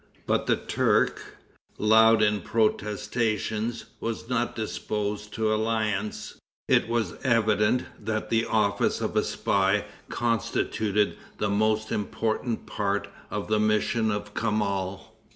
But the Turk, loud in protestations, was not disposed to alliance. It was evident that the office of a spy constituted the most important part of the mission of Kamal.